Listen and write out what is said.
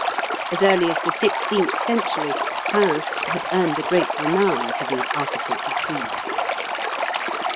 As early as the sixteenth century, Rheims had earned a great renown for these articles of food.